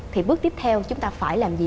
thì bước tiếp theo chúng ta phải làm gì